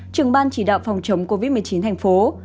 trưởng ban chỉ đạo phòng chống covid một mươi chín thành phố